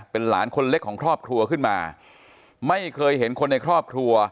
เป็นหลานคนเล็กของครอบครัวขึ้นมาไม่เคยเห็นคนในครอบครัว